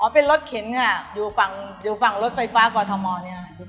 เป็นรถเข็นอยู่ฝั่งรถไฟฟ้ากวทมเนี่ย